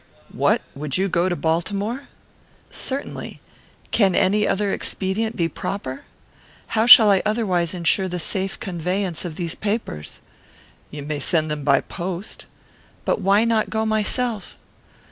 "What! Would you go to Baltimore?" "Certainly. Can any other expedient be proper? How shall I otherwise insure the safe conveyance of these papers?" "You may send them by post." "But why not go myself?"